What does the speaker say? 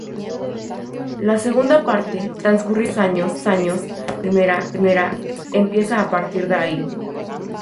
La segunda parte, transcurridos diez años desde la primera, empieza a partir de ahí.